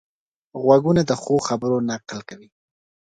غوږونه د ښو خبرو نقل کوي